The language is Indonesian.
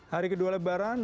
hari kedua lebaran